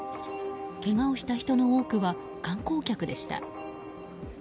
けがをした人の多くは観光客でした。